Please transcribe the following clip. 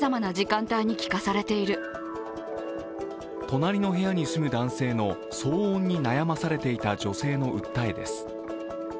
隣の部屋に住む男性の騒音に悩まされていた女性の訴えです。